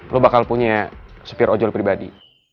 lo bakal punya supir ojol pribadi